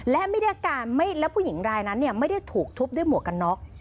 และผู้หญิงรายนั้นไม่ได้ถูกทุบด้วยหมวกกันน็อก